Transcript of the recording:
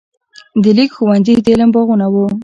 د لیک ښوونځي د علم باغونه وو.